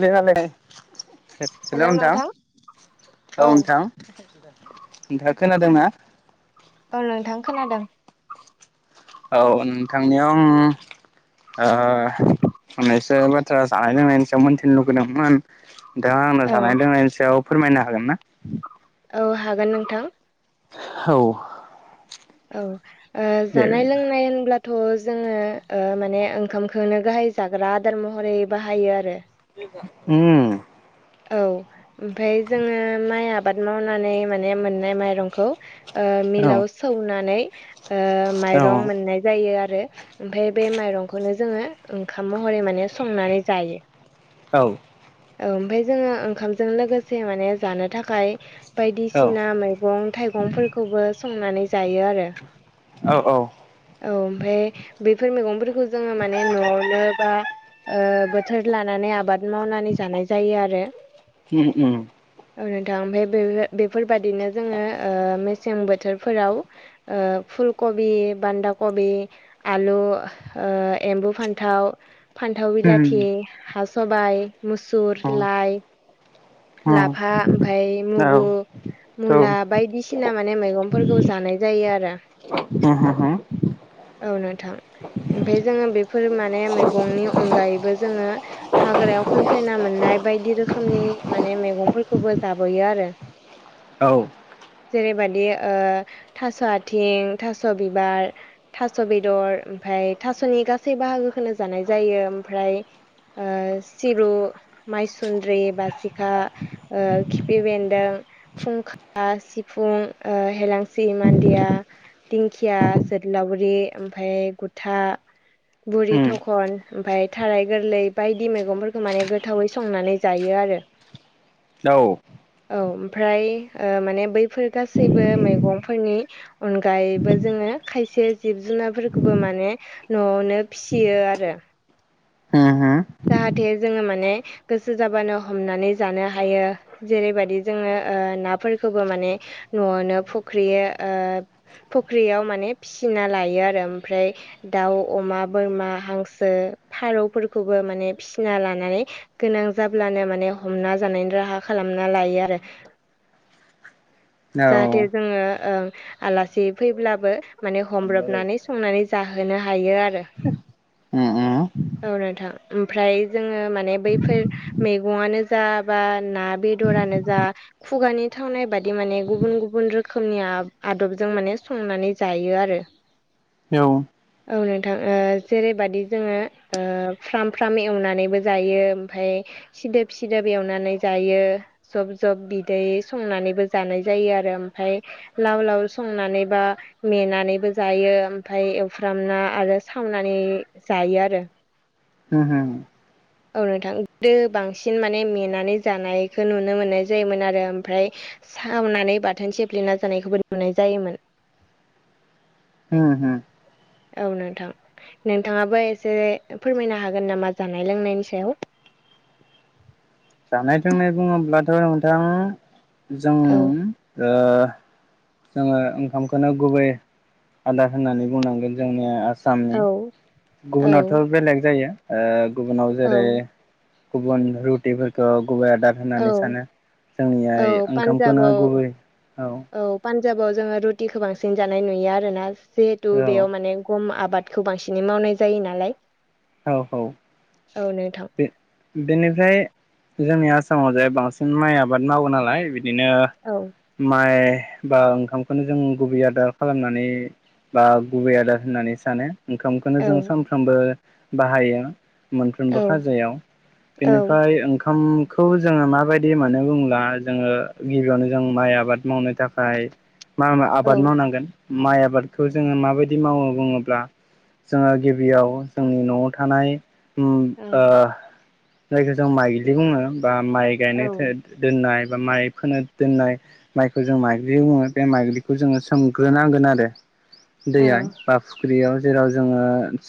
मालाय हेल' नोंथां औ औ नोंथां नोंथाङा खोनादोंनाा औ नोंथां खोनादों औ नोंथांनियाव मोननैसो बाथ्रा जानाय लोंनायनि सायाव मोन्थिनो लुुबैदोंमोन नोंथाङा आंनो औ जानाय लोंनायनि सायाव फोरमायनो हागोन ना औ हागोन नोंथां औ औ दे जानाय लोंनाय होनब्ला थ' जोङो माने ओंखामखौनो गाहाय जाग्रा आदार महरै बाहायो आरो उम औ ओमफफ्राय जोङो माइ आबाद मावनानै माने मोननाय माइरंखौ ओ औ मिलाव सौनानै ओ औ माइरं मोननाय जायो आरो ओमफ्राय बे माइरंखौनो जोङो ओंखाम महरै माने संनानै जायो औ औ ओमफ्राय जोङो ओंखामजों लोगोसे माने जानो थाखाय बायदिसिना औ मैगं थाइगंफोरखौबो संनानै जायो आरो औ औ औ ओमफफ्राय बेफोर मैगंफोरखौ जोङो माने न'आवनो बा ओ बोथोर लानानै आबाद मावनानै जानाय जायो आरो [unintelligible] औ नोंथां ओमफ्राय बे बेफोरबादिनो जोङो मेसें बोथोरफोराव ओ फुलकबि बान्दा कबि आलु ओ एम्बु फान्थाव फान्थाव उम बिलाथि हा सबाइ मुसुर उम औ उम लाइ उम औ उम लाफा ओमफ्राय औ मुगु मुला बायदिसिना माने मैगंफोरखौ जानाय जायो आरो [unintelligible] औ नोंथां ओमफफ्राय जोङो बेफोर माने मैगंनि अनगायैबो जोङो हाग्रायाव खनसायना मोननाय बायदि रोखोमनि माने मैगंफोरखौबो जाबोयो आरो औ जेरैबादि ओ थास' आथिं थास' बिबार थास' बेदर ओमफ्राय थास'नि गासै बाहागोखोनो जानाय जायो ओमफ्राय ओ सिब्रु माइसुन्द्रि बासि खा ओ खिफि बेन्दों फुंखा सिफुं हेलांसि मान्दिया दिंखिया जोगलावरि ओमफ्राय गुथा बुरि थखन ओमफाय थाराय गोरलै बायदि मैगंफोरखौ माने गोथावै संनानै जायो आरो औ औ ओमफ्राय ओ माने बैफोर गासैबो मैगंफोरनि अनगायैबो जोङो खायसे जिब जुनारफोरखौबो माने न'आवनो फिसियो आरो [unintelligible] जाहाथे जोङो माने गोसो जाबानो हमनानै जानो हायो जेरैबायदि जोङो ओ नाफोरखौबो माने न'आवनो फख्रि फख्रियाव माने फिसिना लायो आरो ओमफ्राय दाउ अमा बोरमा हांसो फारौफोरखौबो माने फिसिना लानानै गोनां जाब्लानो माने हमना जानायनि राहा खालामना लायो आरो जाहाथे जोङो ओ आलासि फैब्लाबो माने हमब्रबनानै संनानै जाहोनो हायो आरो ओम ओम औ नोंथां ओमफ्राय जोङो माने बैफोर मैगंआनो जा बा ना बेदरानो जा खुगानि थावनाय बादि माने गुबुन गुबुन रोखोमनि आदबजों माने संनानै जायो आरो औ औ नोंथां ओ जेरैबादि जोङो फ्राम फ्राम एवनानैबो जायो ओमफ्राय सिदोब सिदोब एवनानै जायो जब जब बिदै संनानैबो जानाय जायो आरो ओमफ्राय लाव लाव संनानैबा मेनानैबो जायो ओमफ्राय एवफ्रामना आरो सावनानै जायो आरो [unintelligible] औ नोंथां गोदो बांसिन माने मेनानै जानायखौ नुनो मोननाय जायोमोन आरो ओमफ्राय सावनानै बाथोन सेफ्लेना जानायखौबो नुनाय जायोमोन। होम होम। औ नोंथां नोंथाङाबो एसे फोरमायनो हागोन नामा जानाय लोंनायनि सायाव। जानाय लोंनाय बुङोब्लाथ' नोंथां जों औ ओ जोङो ओंखामखौनो गुबै आदार होननानै बुंनांगोन जोंनिया आसामनि औ औ गुबुनावथ' बेलेग जायो ओ गुबुनाव जेरै औ गुबुन रुटिफोरखौ गुबै आदा औ होननानै सानो जोंनिया औ ओंखामखौनो पान्जाबाव गुबै औ औ पान्जाबाव जोङो रुटिखौ बांसिन जानाय नुयो आरोना जिहेथु औ बेयाव माने गम आबाद। खौ बांसिनै मावनाय जायो नालाय औ औ। औ नोंथां। बेनिफ्राय जोंनि आसामाव जाय बांसिन माइ आबाद मावो नालाय बिदिनो। औ। माइ बा ओंखामखौनो जों गुबै आदार खालामनानै। बा गुबै आदार होननानै सानो ओंखामखौनो औ जों सानफ्रामबो बाहायो औ खाजायाव औ बेनिफ्राय ओंखाम खौ जोङो मा बायदि होनानो बुला जोङो गिबियावनो जों माइ आबाद मावनो थाखाय मा आबाद औ मावनांगोन माइ आबादखौ जोङो मा बायदि मावो बुङोब्ला जोङो गिबियाव जोंनि न'आव थानाय। ओ जायखौ जों माइज्लि बुङो बा माइ औ गायनाय दोननाय बा माइ फोनो दोनना माइखौ जों माइग्लि बुङो बे माइग्लिखौ जोङो सोमग्रोनांगोन आरो दैया फुख्रियाव जेराव जोङो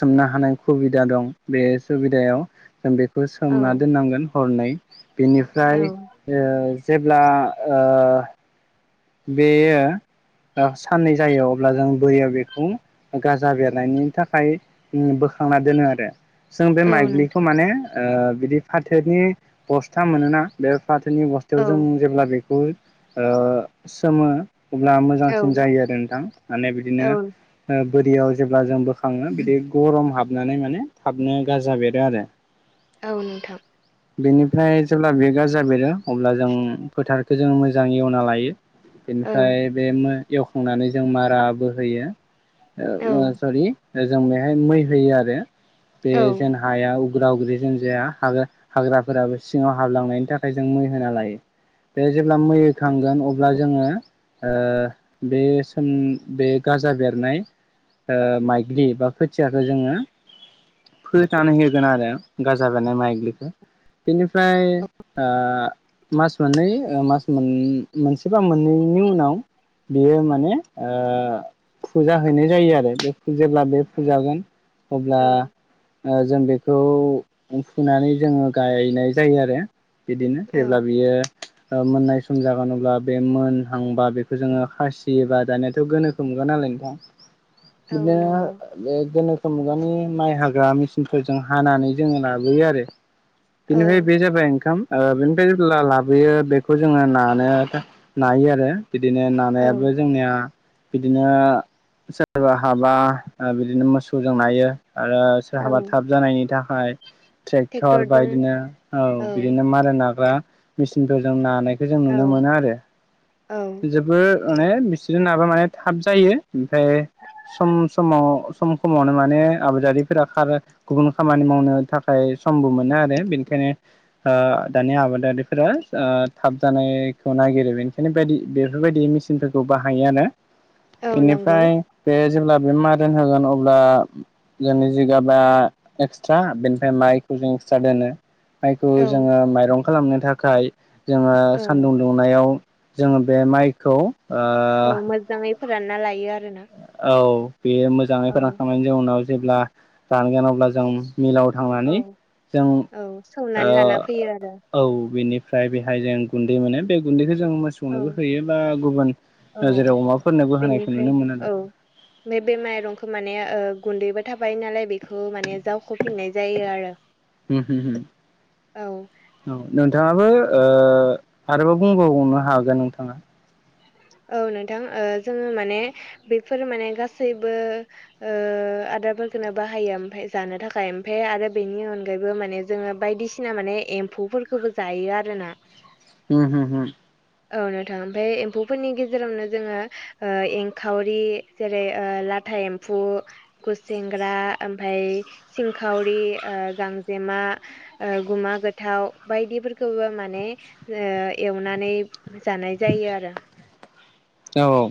सोमनो हानाय खुबिदा दं बे सुबिदायाव जों बे सु खौ औ सोमना दोननांगोन हरनै औ बेनिफ्राय ओ जेब्ला ओ बेयो साननै जायो अब्ला जों बोरियाव बेखौ गाजा बेरनायनि थाखाय बोखांना दोनो आरो। जों बे औ माइग्लिखौ नोंथां माने बिदि फाथोनि बस्था मोनोना। बे फाथोनि बस्थायाव औ जों जेब्ला बेखौ सोमो अब्ला औ मोजांसिन जायो आरो नोंथां माने बिदिनो। औ बोरियाव जेब्ला जों बोखाङो बिदि गरम हाबनानै माने थाबनो गाजा बेरो आरो। [inaudible] औ नोंथां। बेनिफ्राय जेब्ला बेगाराजा बेरो अब्ला जों फोथारखौ जों मोजांङै एवना लायो। औ बेनिफ्राय बे एवखांनानै जों माराबो होयो। औ सरि जों बेहाय मै होयो आरो बे औ जेन हायाव उदाव गद्रि जों जाया हाग हाग्राफोराबो सिङाव हाबलांनायनि थाखाय जों मै होना लायो। बे जेब्ला मै खांगोन अब्ला अब्ला जोङो बे बे गाजा बेरनाय माइग्लि बा खोथियाखौ जोङो। फोथानै होगोन आरो गाजा बेनाय माइग्लिखौ बेनिफ्राय फ्राय मास मोननै मास मोन मोनसेबा मोननैनि उनाव बेयो माने ओ फुजा हैनाय जायो आरो बे जेब्ला बे फुजागोन। अब्ला औ जों बेखौ फुनानै जोङो गायनाय जायो आरो। बिदिनो औ जेब्ला बियो मोननाय सम जागोन। अब्ला बे मोनहांबा बेखौ जोङो खासि बा दानियाथ' गोनोखो मुगा नालाय नोंथां। औ बिदिनो। नंगौ बे गोनोखो मुगानि माइ हाग्रा मेचिनफोरजों हानानै जोङो लाबोयो आरो औ बेनिफ्राय बे जाबाय ओंखाम बेनिफ्राय जेब्ला लाबोयो बेखौ जोङो नानो नायो आरो बिदिनो औ नायाबो जोंनिया बिदिनो सोरबा हाबा बिदिनो मोसौजों नायो आरो औ सोरहाबा थाब जानायनि थाखाय ट्रेक्टर बा ट्रेक्टरजों इदिनो औ बिदिनो माराय नाग्रा मेचिनफोरजों नानाय खौ जों औ नुनो मोनो आरो औ जोबोर माने बिसोरजों नाबा माने थाब जायो ओमफ्राय सम समाव सम समावनो माने आबादारिफोरा खारो गुबुन खामानि मावनो थाखाय समबो मोनो आरो बेनिखायनो दानि आबादारिफोरा थाब जानायखौ नायगिरो बेनिखायनो बायदि बेफोरबायदि मेचिनफोरखौ बाहायो आरो औ नंगौ बेनिफ्राय बे जेब्ला बे मारोन होगोन अब्ला जोंनि जिगाबा एक्सट्रा बेनिफ्राय माइखौ जों एक्सट्रा दोनो माइखौ औ जोङो माइरं खालामनो थाखाय जोङो औ सान्दुं दुङो नायाव जोङो बे माइखौ ओ औ मोजाङै फोरानना लायो आरो ना औ बेयो मोजाङै फोरानखांनायनि जों उनाव जेब्ला रानगोन अब्ला जों मिलाव औ थांनानै जों औ सौनानै ओ लाना फैयो आरो औ बेनिफ्राय बेहाय जों गुन्दै मोनो बे गुन्दैखौ जों मो औ सौनोबो होयो बा गुबुन औ जेराव अमाफोरनोबो होनायखौ नुनो मोन आरो नैबे बे माइरंखौ माने गुन्दैबो थाबायो नालाय बेखौ माने जावख फिनाय जायो आरो हम हम औ औ नोंथाङाबो आरोबाव बुंबावनो हागोन नोंथाङा औ नोंथां जोङो माने बेफोर माने गासैबो ओ आदारफोरखौनो बाहायो ओमफाय जानो थाखाय ओमफाय आरो बेनि अनगायैबो माने जोङो बायदि सिना माने एम्फौफोरखौबो जायो आरोना होम होम होम औनो नोंथां ओमफ्राय एम्फौफोरनि गेजेरावनो जोङो ओ एंखावरि जेरै ओ लाथा एम्फौ गुसेेंग्रा ओमफ्राय सिंखावरि ओ गांजेमा गुमा गोथाव बायदिफोरखौबो माने एवनानै जानाय जायो आरो औ औ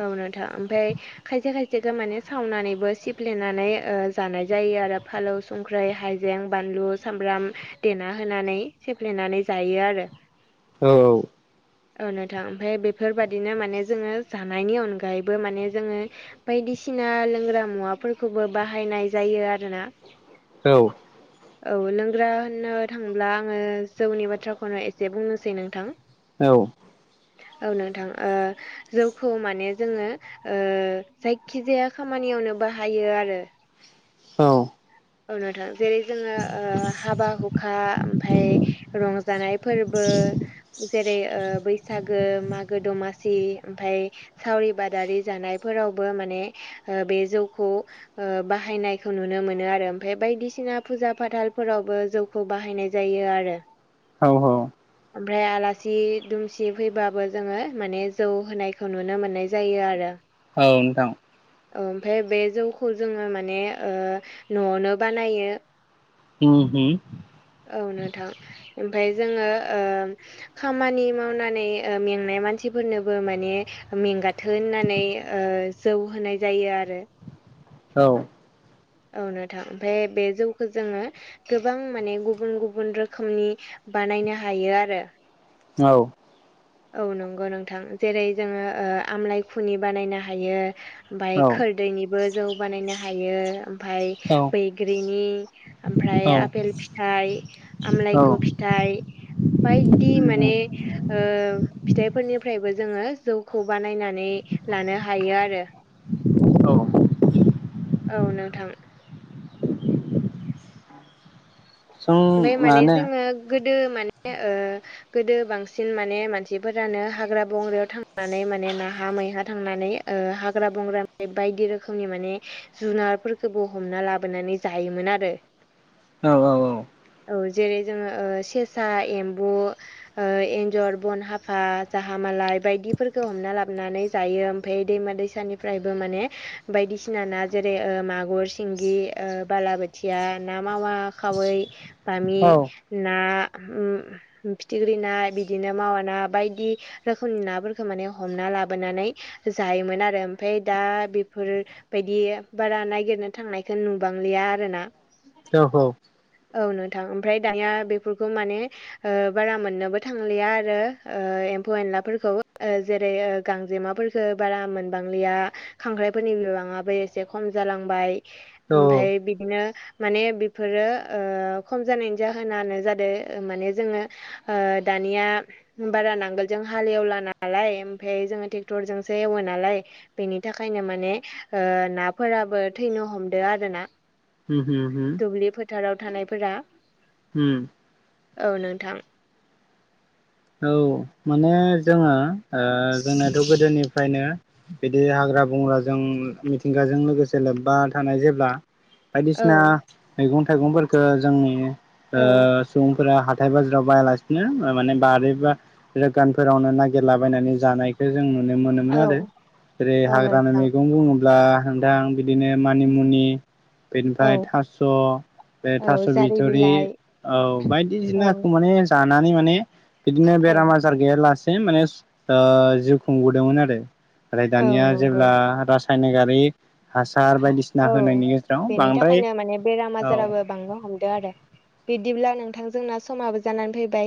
औ नोंथां ओमफ्राय खायसे खायसेखौ माने सावनानैबो सिफ्लेनानै ओ जानाय जायो आरो फालौ संख्रि हाइजें बानलु सामब्राम देना होनानै सेेफ्लेनानै जायो आरो औ औ औ नथां ओमफ्राय बेफोरबादिनो माने जोङो जानायनि अनगायैबो माने जोङो बायदिसिना लोंग्रा मुवाफोरखौबो बाहायनाय जायो आरोना औ औ लोंग्रा होननो थांब्ला आङो जौनि बाथ्राखौनो एसे बुंनोसै नोंथां औ औ नोंथां ओ जौखौ माने जोङो ओ जायखिजाया खामानियावनो बाहायो आरो औ औ नोंथां जेरै जोङो हाबा हुखा ओमफाय रंजानाय फोरबो जेर जे ओे बैसागो मागो दमासि ओमफाय सावरि बादारि जानायफोरावबो माने ओ बे जौखौ ओ बाहायनायखौ नुनो मोनो आरो ओमफाय बायदिसिना फुजा फाथालफोरावबो जौखौ बाहायनाय जायो आरो औ औ ओमफ्राय आलासि दुमसि फैबाबो जोङो माने जौ होनायखौ नुनो मोननाय जायो आरो औ नोंथां ओमफ्राय बे जौखौ जोङो माने ओ न'आवनो बानायो उम उम औ नोंथां ओमफाय जोङो ओ खामानि मावनानै मेंनाय मानसिफोरनोबो माने मेंगाथो होननानै ओ जौ होनाय जायो आरो औ औनो थां ओमफ्राय बे जौखौ जोङो गोबां माने गुबुन गुबुन रोखोमनि बानायनो हायो आरो औ औ नंगौ नोंथां जेरै जोङो ओ आमलाय खुनि बानायनो हायो ओमफाय औ खोरदैनिबो जौ बानायनो हायो ओमफाय बैग्रिनि ओमफ्राय आपेल फिथाइ औ आमलायखु फिथाइ बायदि होम माने ओ फिथाइफोरनिफ्रायबो जोङो जौखौ बानायनानै लानो हायो आरो औ औ नोंथां ओमफाय माने जोङो गोदो माने ओ गोदो बांसिन माने मानसिफोरानो हाग्रा बंग्रायाव थांनानै माने नाहा मैहा थांनानै ओ हाग्रा बंग्रा बायदि रोखोमनि माने जुनारफोरफोरखौबो हमना लाबोनानै जायोमोन आरो औ औ औ जेरै जोङो ओ सेसा एम्बु ओ एन्जर बनहाफा जाहा मालाय बायदिफोरखौ हमना लाबोनानै जायो ओमफाय दैमा दैसानिफ्रायबो माने बायदिसिना ना जेरै मागुर सिंगि ओ बालाबोथिया ना मावा खावै बामि औ ना फिथिख्रि ना बिदिनो मावा ना बायदि रोखोमनि नाफोरखौ माने हमना लाबोनानै जायोमोन आरो ओमफाय दा बेफोर बायदि बारा नागिरनो थांनायखौ नुबांलिया आरोना जौखौ औ नोंथां ओमफ्राय दानिया बेफोरखौ माने ओ बारा मोननोबो थांलिया आरो ओ एम्फौ एनलाफोरखौ जेरै गांजेमाफोर खो बारा मोनबांलिया खांख्राइफोरनि बिबाङाबो एसे खम जालांबाय ओमफाय बिदिनो माने बेफोरो ओ खम जानायनि जाहोनानो जादों माने जोङो दानिया बारा नांगोलजों हाल एवला नालाय ओमफाय जोङो ट्रेक्टरजोंसो एवो नालाय बेनि थाखायनो माने ओ नाफोराबो थैनो हमदो आरो ना हु हु हु दुब्लि फोथाराव थानायफोरा हुम औ नोंथां औ माने जोङो ओ जोंनाथ' गोदोनिफ्रायनो बिदि हाग्रा बंग्राजों मिथिंगाजों लोगोसे लोब्बा थानाय जेब्ला औ बायदिसिना मैगं थाइगंफोरखो जोंनि ओ औ सुबुंफोरा हाथाय बाजाराव बायालासिनो माने [unintelligible] बारि बा दखानफोरावनो नागिरलाबायनानै जानाय बे जों नुनो मोनोमोन औ आरो जेरै औ हाग्रानि नोंथां मैगं बुङोब्ला बुंब्ला नोंथां बिदिनो मानिमुनि औ बेनिफ्राय थास' बे औ थास' जारि बिथुरि बिलाइ औ औ बायदिसिनाखौ माने जानानै माने बिदिनो औ बेराम आजार गैयालासे माने जिउ खुंबोदोंमोन आरो आरो औ दानिया नंगौ जेब्ला रासायनिकारि [unintelligible] औ बेनि बांद्राय थाखायनो माने बेराम औ आजाराबो बांनो हमदो आरो बिदिब्ला नोंथांजोंना समाबो जानानै फैबाय